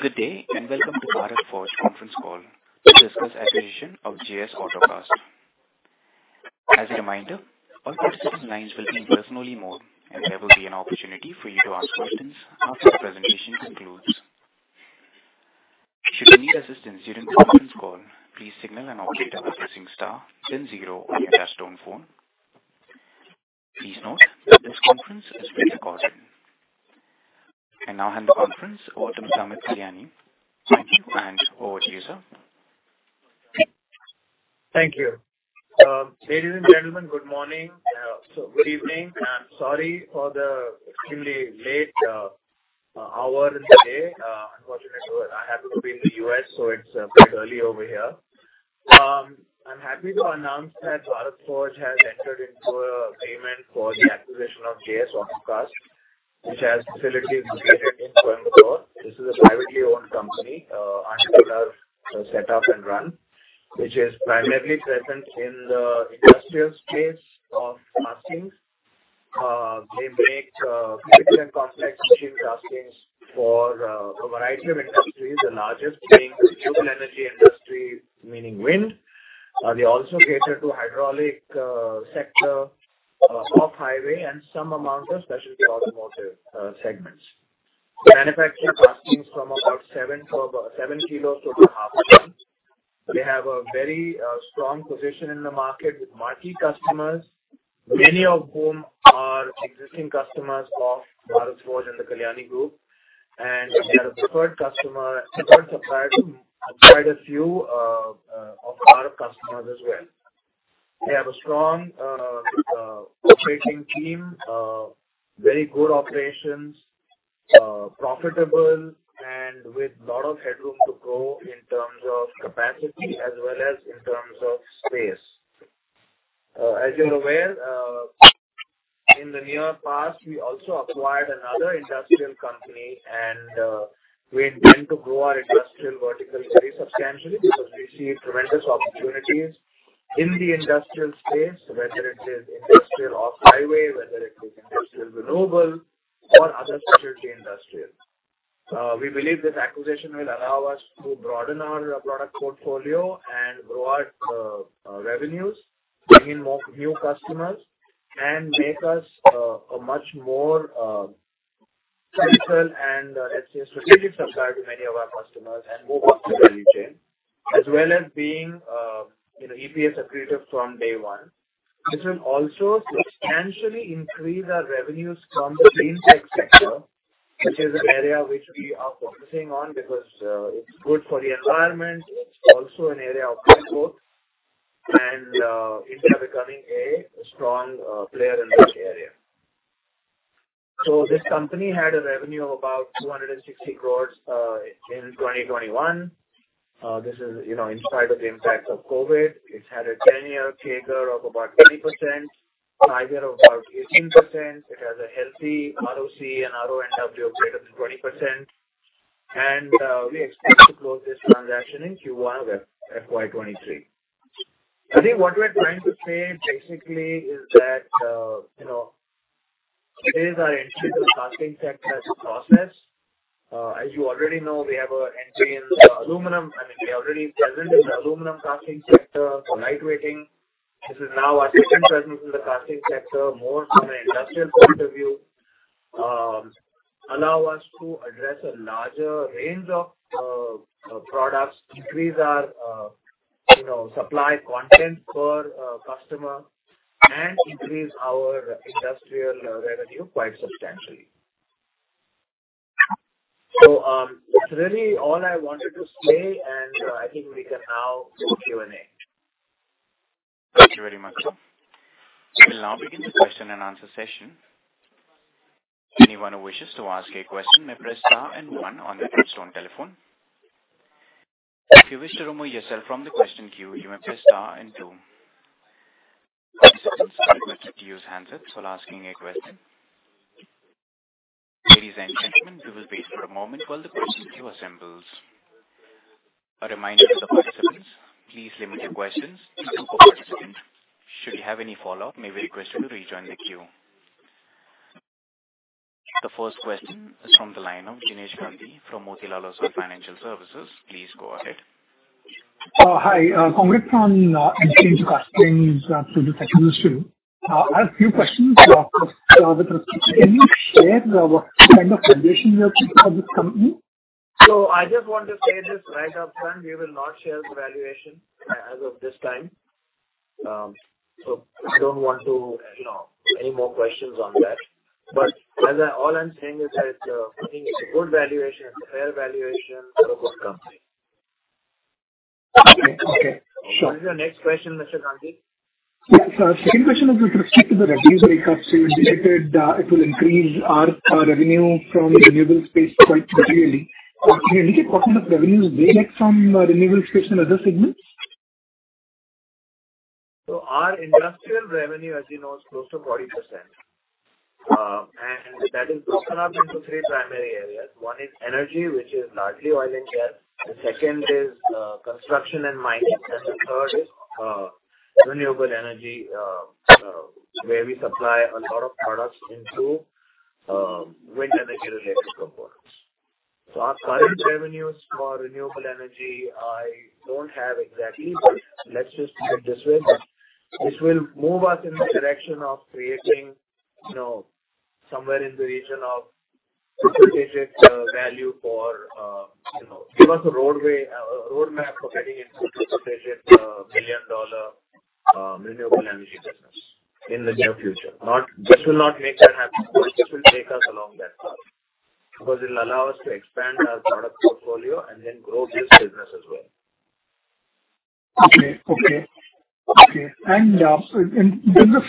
Good day, and welcome to Bharat Forge conference call to discuss acquisition of JS Auto Cast. As a reminder, all participant lines will be in listen-only mode, and there will be an opportunity for you to ask questions after the presentation concludes. Should you need assistance during the conference call, please signal an operator by pressing star then zero on your touchtone phone. Please note that this conference is being recorded. I now hand the conference over to Mr. Amit Kalyani. Thank you, and over to you, sir. Thank you. Ladies and gentlemen, good morning. Good evening, sorry for the extremely late hour in the day. Unfortunately, I happen to be in the U.S., it's quite early over here. I'm happy to announce that Bharat Forge has entered into an agreement for the acquisition of JS Auto Cast, which has facilities located in Coimbatore. This is a privately owned company, entrepreneur set up and run, which is primarily present in the industrial space of castings. They make critical and complex machine castings for a variety of industries, the largest being the renewable energy industry, meaning wind. They also cater to hydraulic sector, off-highway, and some amount of specialty automotive segments. They manufacture castings from about seven kilos to about half a ton. They have a very strong position in the market with marquee customers, many of whom are existing customers of Bharat Forge and the Kalyani Group, and they are a preferred customer, preferred supplier to quite a few of our customers as well. They have a strong operating team, very good operations, profitable and with lot of headroom to grow in terms of capacity as well as in terms of space. As you're aware, in the near past, we also acquired another industrial company, and we intend to grow our industrial vertical very substantially because we see tremendous opportunities in the industrial space, whether it is industrial off-highway, whether it is industrial renewable or other specialty industrial. We believe this acquisition will allow us to broaden our product portfolio and grow our revenues, bring in more new customers, and make us a much more critical and, let's say, a strategic supplier to many of our customers and move up the value chain, as well as being, you know, EPS accretive from day one. This will also substantially increase our revenues from the clean tech sector, which is an area which we are focusing on because it's good for the environment. It's also an area of good growth and India becoming a strong player in this area. This company had a revenue of about 260 crore in 2021. This is, you know, in spite of the impact of COVID. It's had a ten-year CAGR of about 20%, ROCE of about 18%. It has a healthy ROC and RONW of greater than 20%. We expect to close this transaction in Q1 of FY 2023. I think what we're trying to say basically is that, you know, this is our entry into casting sector. As you already know, we have an entry in the aluminum. I mean, we are already present in the aluminum casting sector for lightweighting. This is now our second presence in the casting sector, more from an industrial point of view. This will allow us to address a larger range of products, increase our you know, supply content per customer, and increase our industrial revenue quite substantially. That's really all I wanted to say, and I think we can now go to Q&A. Thank you very much, sir. We'll now begin the question-and-answer session. Anyone who wishes to ask a question may press star and one on their touchtone telephone. If you wish to remove yourself from the question queue, you may press star and two. Participants are requested to use handsets while asking a question. Ladies and gentlemen, we will wait for a moment while the question queue assembles. A reminder to participants, please limit your questions to one per participant. Should you have any follow-up, may we request you to rejoin the queue. The first question is from the line of Jinesh Gandhi from Motilal Oswal Financial Services. Please go ahead. Hi. Congrats on entry into castings through this acquisition. I have few questions with respect to. Can you share what kind of valuation you are keeping for this company? I just want to say this right up front. We will not share the valuation as of this time. I don't want to, you know, any more questions on that. All I'm saying is that I think it's a good valuation, it's a fair valuation for a good company. Okay. Sure. What is your next question, Mr. Gandhi? Yes. Second question is with respect to the revenue breakup. You indicated it will increase our revenue from renewable space quite materially. Can you indicate what kind of revenues they get from renewable space and other segments? Our industrial revenue, as you know, is close to 40%. That is broken up into three primary areas. One is energy, which is largely oil and gas. The second is construction and mining, and the third is renewable energy, where we supply a lot of products into wind energy related components. Our current revenues for renewable energy I don't have exactly, but let's just put it this way. This will move us in the direction of creating, you know, somewhere in the region of two-digit value for, you know, roadmap for getting into two-digit billion dollar renewable energy business in the near future. This will not make that happen, but this will take us along that path. Because it'll allow us to expand our product portfolio and then grow this business as well. Okay. The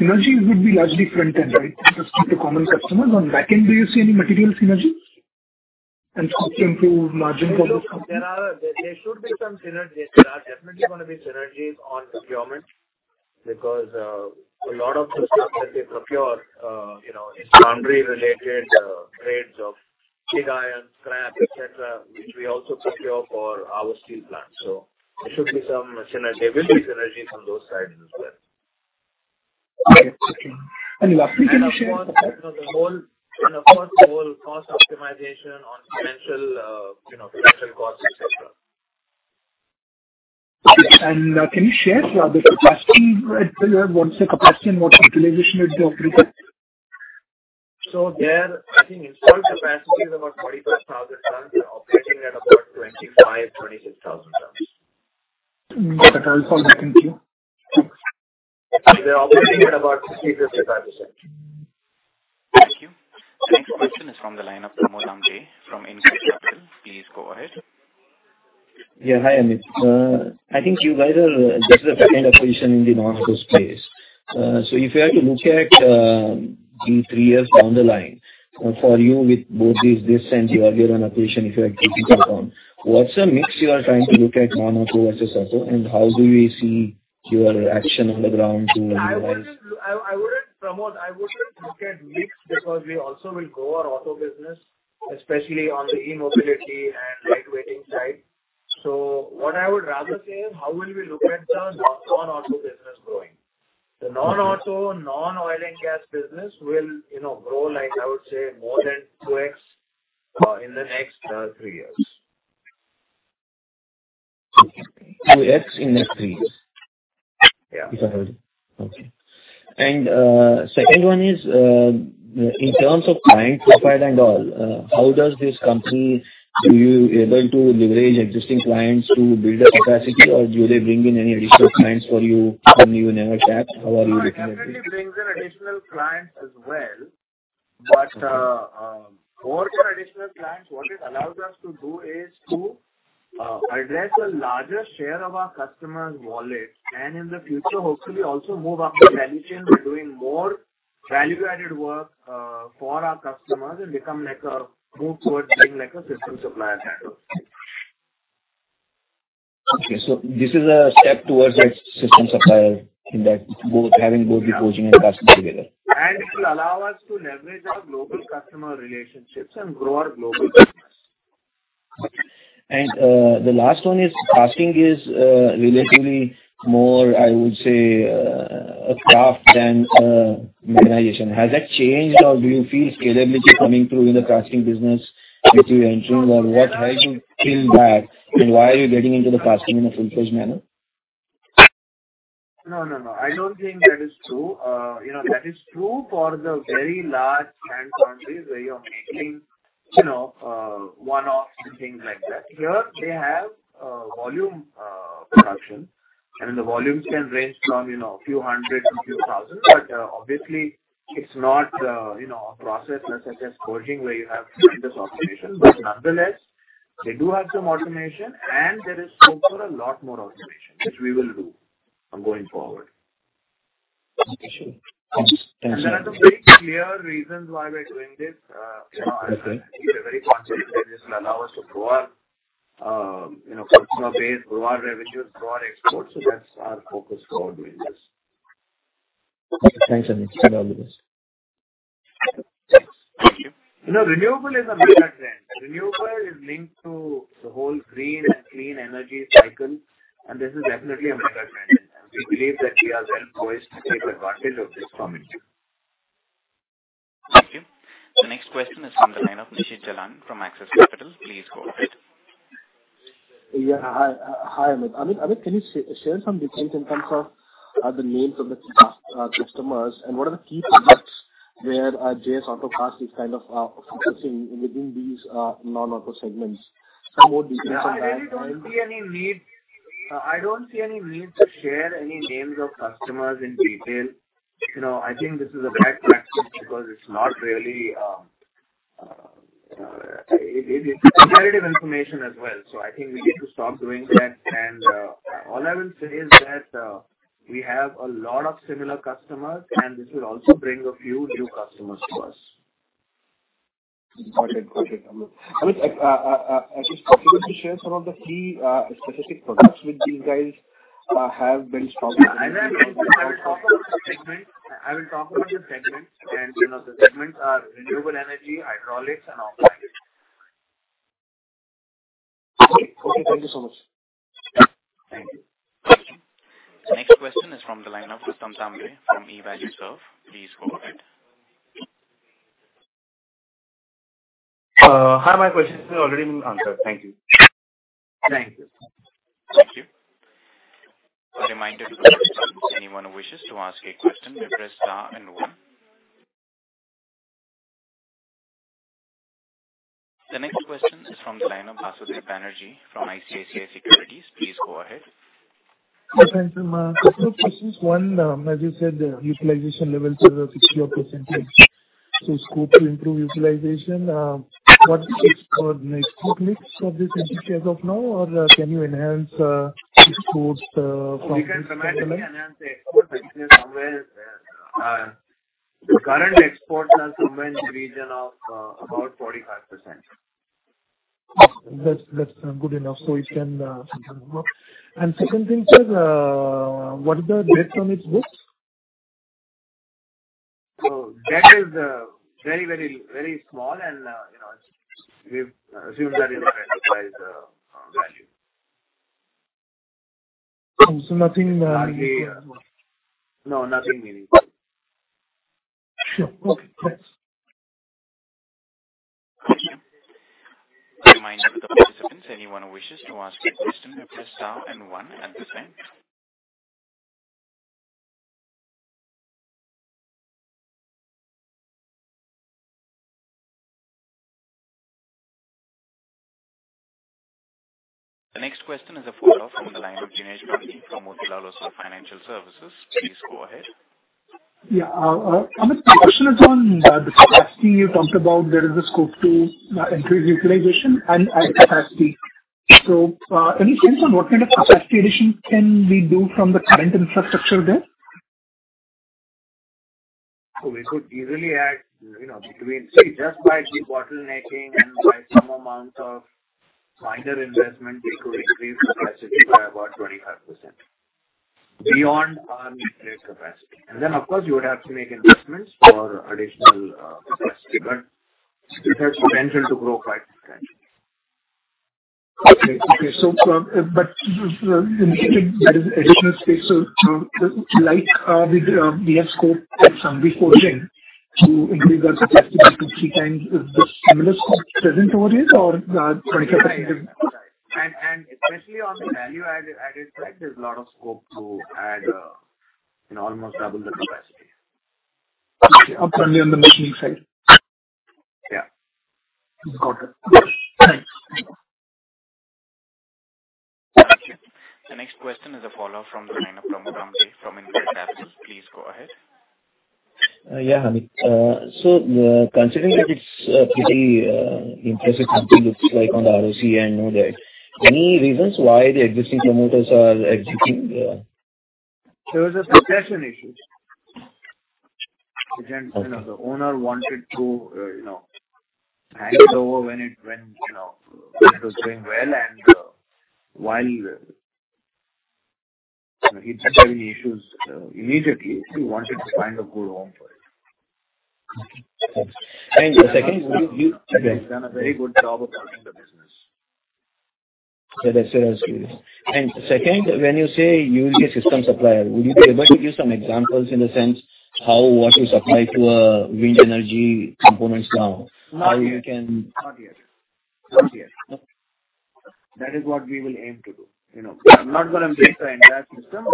synergy would be largely front end, right? Just keep the common customers. On back end, do you see any material synergies and help to improve margin for this company? Look, there should be some synergies. There are definitely gonna be synergies on procurement because a lot of the stuff that they procure, you know, is foundry-related, grades of pig iron, scrap, et cetera, which we also procure for our steel plant. There should be some synergy. There will be synergies on those sides as well. Okay. Can you share- Of course, you know, the whole cost optimization on financial, you know, financial costs, et cetera. Okay. Can you share the capacity at Coimbatore? What's the capacity and what's the utilization at Coimbatore? There I think installed capacity is about 45,000 tons. We are operating at about 25,000-26,000 tons. Got it. I'll follow up. Thank you. They're operating at about 60%-65%. Thank you. The next question is from the line of Pramod Amthe from InCred Capital. Please go ahead. Hi, Amit. I think you guys are just the second acquisition in the non-auto space. If you had to look at the three years down the line, for you with both these, this and the earlier one acquisition, if you had to take a call, what's the mix you are trying to look at non-auto versus auto, and how do we see your action on the ground to analyze? I wouldn't, Pramod, look at mix because we also will grow our auto business, especially on the e-mobility and lightweighting side. What I would rather say is how will we look at the non-auto business growing. The non-auto, non-oil and gas business will, you know, grow, like I would say more than 2x in the next three years. Okay. 2x in three years? Yeah. Okay. Second one is in terms of client profile and all, how are you able to leverage existing clients to build the capacity or do they bring in any additional clients that you never tapped? How are you looking at this? No, it definitely brings in additional clients as well. More than additional clients, what it allows us to do is to address a larger share of our customers' wallets. In the future, hopefully also move up the value chain by doing more value-added work for our customers and move towards being like a system supplier kind of. Okay. This is a step towards that system supplier in that both, having both the forging and casting together. It will allow us to leverage our global customer relationships and grow our global business. The last one is casting is relatively more, I would say, a craft than a mechanization. Has that changed or do you feel scalability coming through in the casting business that you're entering or what? How do you feel that and why are you getting into the casting in a full-fledged manner? No, no. I don't think that is true. You know, that is true for the very large plant foundries where you're making, you know, one-offs and things like that. Here they have volume production, and the volumes can range from, you know, a few hundred to few thousand. Obviously, it's not, you know, a process such as forging where you have tremendous automation. Nonetheless, they do have some automation and there is scope for a lot more automation, which we will do going forward. Okay. Sure. Thanks. Thanks, Amit. There are some very clear reasons why we're doing this. You know, I think we are very conscious that this will allow us to grow our customer base, grow our revenues, grow our exports. That's our focus for doing this. Okay. Thanks, Amit. Clear on this. Thanks. Thank you. You know, renewable is a mega trend. Renewable is linked to the whole green and clean energy cycle, and this is definitely a mega trend. We believe that we are well poised to take advantage of this coming. Thank you. The next question is from the line of Nishit Jalan from Axis Capital. Please go ahead. Hi, Amit. Amit, can you share some details in terms of the names of the casting customers and what are the key products where JS Auto Cast is kind of focusing within these non-auto segments? Some more details on that. Yeah, I really don't see any need. I don't see any need to share any names of customers in detail. You know, I think this is a bad practice because it's not really competitive information as well. I think we need to stop doing that. All I will say is that we have a lot of similar customers, and this will also bring a few new customers to us. Got it. Amit, is it possible to share some of the key specific products which these guys have been strong? As I mentioned, I will talk about the segments and, you know, the segments are renewable energy, hydraulics and automotive. Okay, thank you so much. Thank you. The next question is from the line of Rustam Tambay from Evalueserve. Please go ahead. Hi, my question has already been answered. Thank you. Thank you. Thank you. A reminder to participants, anyone who wishes to ask a question, press star and one. The next question is from the line of Abhisek Banerjee from ICICI Securities. Please go ahead. Yes, thank you. Two questions. One, as you said, the utilization levels are up zero percentage, so scope to improve utilization. What is the next book mix of this as of now, or can you enhance exports from- We can dramatically enhance the export business somewhere. The current exports are somewhere in the region of about 45%. That's good enough. It can sometimes more. Second thing, sir, what is the debt on its books? Debt is very small and, you know, we've assumed that in our enterprise value. Nothing. No, nothing meaningful. Sure. Okay, thanks. Thank you. A reminder to participants, anyone who wishes to ask a question, press star and one at this time. The next question is a follow-up from the line of Jinesh Gandhi from Motilal Oswal Financial Services. Please go ahead. Yeah. Amit, my question is on the capacity you talked about. There is a scope to increase utilization and add capacity. Any sense on what kind of capacity addition can we do from the current infrastructure there? We could easily add, you know, just by debottlenecking and by some amount of minor investment, we could increase the capacity by about 25% beyond our nameplate capacity. Then, of course, you would have to make investments for additional capacity. Potential to grow quite substantially. Okay. You indicated there is additional space. Like, we have scoped at Sanghvi Forging to increase our capacity up to three times. Is the similar scope present over here or something different? Especially on the value-added side, there's a lot of scope to add, you know, almost double the capacity. Okay. Currently on the machining side. Yeah. Got it. Okay. Thanks. Thank you. The next question is a follow-up from the line of Pramod Amthe from InCred Capital. Please go ahead. Considering that it's a pretty impressive company, looks like on the ROCE and all that, any reasons why the existing promoters are exiting? There was a succession issue. Okay. You know, the owner wanted to, you know, hand it over when it was doing well. While he'd been having issues, immediately he wanted to find a good home for it. Okay. Thanks. Second, would you- He's done a very good job of running the business. That's serious news. Second, when you say you'll be a system supplier, would you be able to give some examples in the sense how what you supply to, wind energy components now? How you can- Not yet. Okay. That is what we will aim to do. You know, I'm not gonna make the entire system.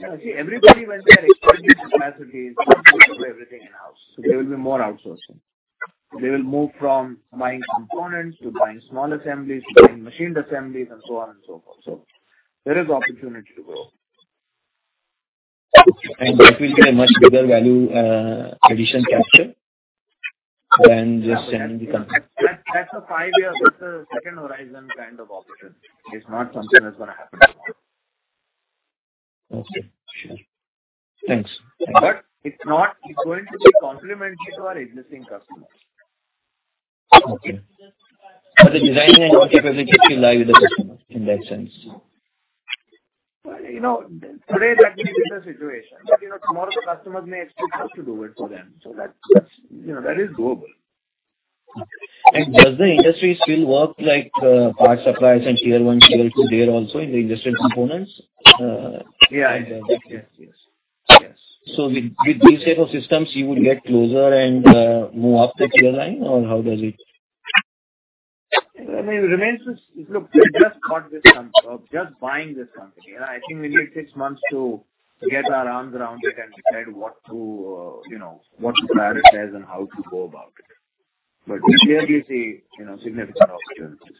You know, see, everybody when they are expanding capacities, they don't build everything in-house. There will be more outsourcing. They will move from buying components to buying small assemblies to buying machined assemblies and so on and so forth. There is opportunity to grow. That will be a much bigger value addition capture than just selling the components. That's a second horizon kind of opportunity. It's not something that's gonna happen tomorrow. Okay. Sure. Thanks. It's going to be complementary to our existing customers. Okay. The design and manufacturing capabilities will lie with the customer in that sense. You know, today that may be the situation, but you know, tomorrow the customers may expect us to do it for them. So that's, you know, that is doable. Does the industry still work like, part suppliers and tier one, tier two there also in the industrial components? Yeah, exactly. Yes. With these set of systems you would get closer and move up the tier line or how does it? Look, we just got this company. I think we need six months to get our arms around it and decide what to, you know, what to prioritize and how to go about it. We clearly see, you know, significant opportunities.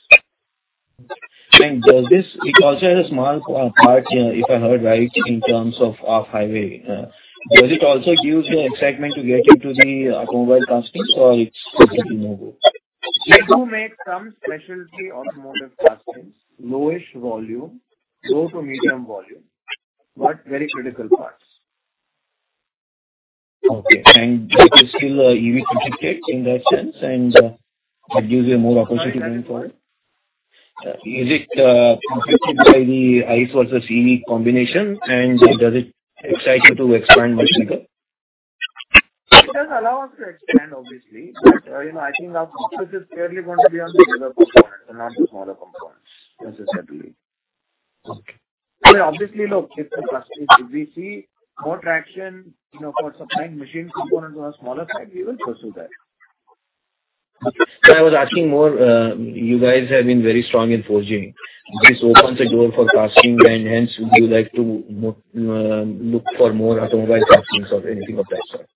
It also has a small part, if I heard right, in terms of off-highway. Does it also give you excitement to get into the automobile castings, or it's completely no-go? We do make some specialty automotive castings. Low-ish volume, low to medium volume, but very critical parts. Okay. It is still EV-centric tech in that sense, and that gives you more opportunity going forward. Is it conflicted by the ICE versus EV combination, and does it excite you to expand much bigger? It does allow us to expand, obviously. You know, I think our focus is purely going to be on the bigger components and not the smaller components necessarily. Okay. I mean, obviously, look, if we see more traction, you know, for supplying machine components on a smaller side, we will pursue that. I was asking more, you guys have been very strong in forging. This opens a door for casting, and hence would you like to look for more automobile castings or anything of that sort?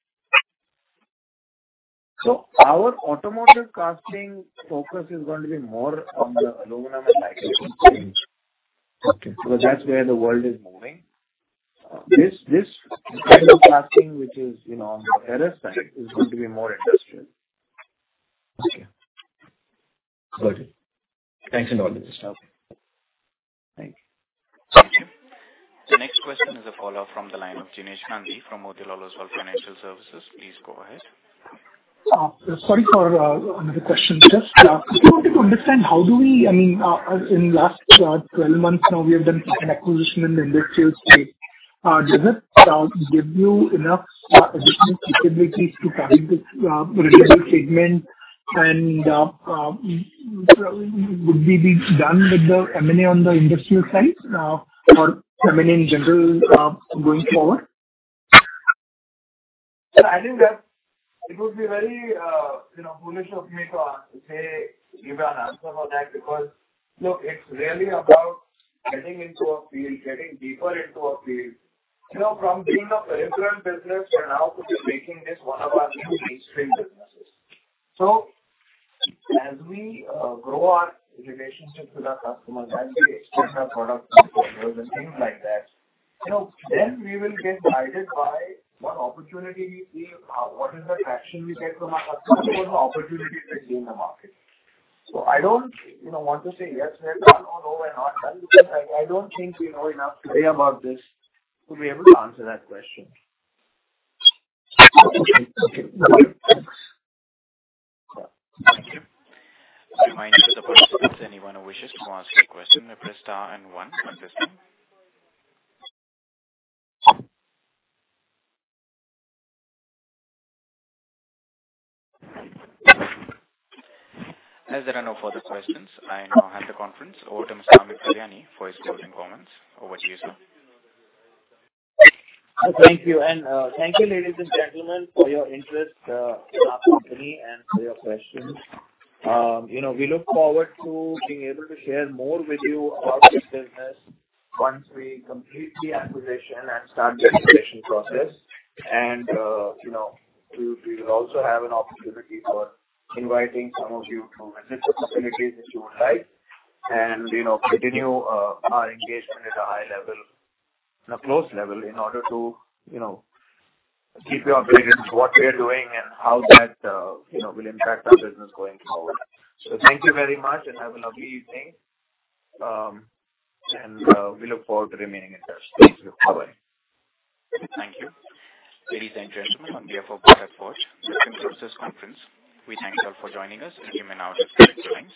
Our automotive casting focus is going to be more on the aluminum and magnesium side. Okay. That's where the world is moving. This kind of casting, which is, you know, on the rarer side, is going to be more industrial. Okay. Got it. Thanks a lot. Okay. Thank you. The next question is a caller from the line of Jinesh Gandhi from Motilal Oswal Financial Services. Please go ahead. Sorry for another question. Just wanted to understand how do we I mean in last 12 months now we have done an acquisition in the industrial space. Does it give you enough additional capabilities to target this particular segment? Would we be done with the M&A on the industrial side, or M&A in general, going forward? I think that it would be very, you know, foolish of me to say give you an answer for that because, look, it's really about getting into a field, getting deeper into a field. You know, from being a peripheral business, we're now to be making this one of our new mainstream businesses. As we grow our relationships with our customers and we expand our product portfolios and things like that, you know, then we will get guided by what opportunity we see, what is the traction we get from our customers, what opportunity we see in the market. I don't, you know, want to say yes, we are done or no, we're not done because I don't think we know enough today about this to be able to answer that question. Okay. Thank you. Thank you. A reminder to the participants, anyone who wishes to ask a question may press star and one on their phone. As there are no further questions, I now hand the conference over to Mr. Amit Kalyani for his closing comments. Over to you, sir. Thank you. Thank you ladies and gentlemen for your interest in our company and for your questions. You know, we look forward to being able to share more with you about this business once we complete the acquisition and start the integration process. You know, we will also have an opportunity for inviting some of you to visit the facilities if you would like and, you know, continue our engagement at a high level, at a close level in order to, you know, keep you updated with what we are doing and how that will impact our business going forward. Thank you very much and have a lovely evening. We look forward to remaining in touch. Thank you. Thank you. Ladies and gentlemen, on behalf of Bharat Forge, this concludes this conference. We thank you all for joining us, and you may now disconnect your lines.